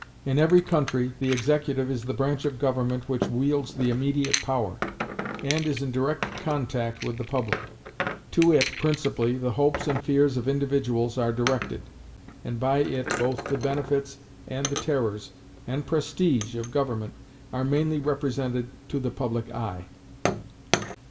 In every country, the executive is the branch of the government which wields the immediate power, and is in direct contact with the public; to it, principally, the hopes and fears of individuals are directed, and by it both the benefits, and the terrors, and prestige of government are mainly represented to the public eye.